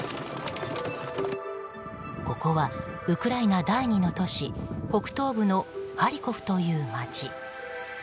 ここはウクライナ第２の都市北東部のハリコフという街。